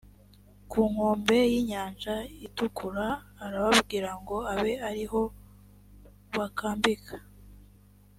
ku nkombe y’inyanja itukura arababwira ngo abe ari ho bakambika